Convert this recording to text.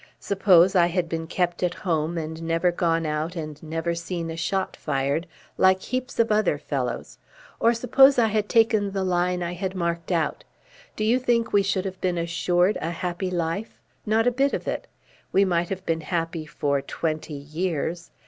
Suppose I had been kept at home and never gone out and never seen a shot fired, like heaps of other fellows, or suppose I had taken the line I had marked out do you think we should have been assured a happy life? Not a bit of it. We might have been happy for twenty years.